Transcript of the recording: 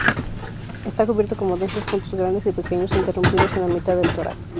Está cubierto con densos puntos grandes y pequeños, interrumpidos en la mitad del tórax.